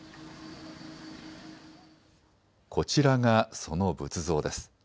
こちらがその仏像です。